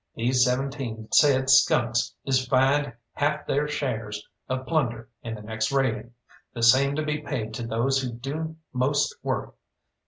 These seventeen said skunks is fined half theyr shares of plunder in the next raiding, the same to be paid to those who do most work.